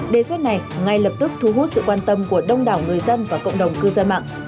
đề xuất này ngay lập tức thu hút sự quan tâm của đông đảo người dân và cộng đồng cư dân mạng